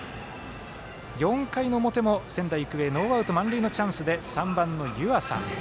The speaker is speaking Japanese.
４回の表も仙台育英ノーアウト、満塁のチャンスで３番の、湯浅。